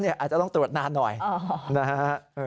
อาจจะต้องตรวจนานหน่อยนะฮะ